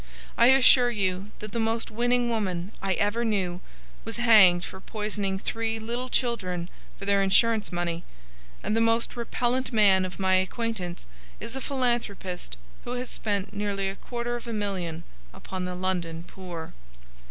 I assure you that the most winning woman I ever knew was hanged for poisoning three little children for their insurance money, and the most repellant man of my acquaintance is a philanthropist who has spent nearly a quarter of a million upon the London poor."